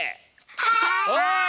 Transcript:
はい！